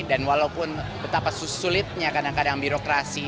dan walaupun betapa susulitnya kadang kadang birokrasi